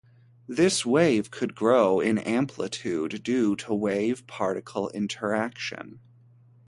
This wave could grow in amplitude due to wave-particle interaction.